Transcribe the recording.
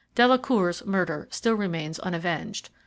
Delacour's murder still remains unavenged.